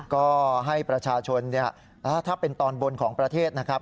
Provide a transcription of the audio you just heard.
ก็ให้ประชาชนถ้าเป็นตอนบนของประเทศนะครับ